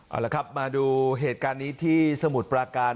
เอาละครับมาดูเหตุการณ์นี้ที่สมุทรปราการ